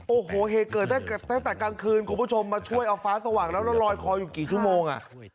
โอ้โหเหตุเกิดตั้งแต่กลางคืนคุณผู้ชมมาช่วยเอาฟ้าสว่างแล้วแล้วลอยคออยู่กี่ชั่วโมง